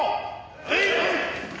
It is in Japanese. はい！